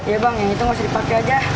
iya bang yang itu gak usah dipake aja